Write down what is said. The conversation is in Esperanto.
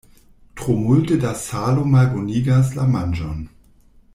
Tro multe da salo malbonigas la manĝon.